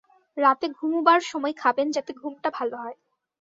রাতে ঘুমুবার সময় খাবেন যাতে ঘুমটা ভাল হয়।